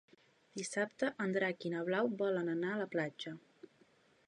Dissabte en Drac i na Blau volen anar a la platja.